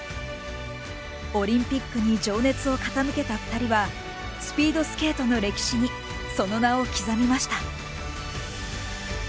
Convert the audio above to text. オリンピックに情熱を傾けた２人はスピードスケートの歴史にその名を刻みました。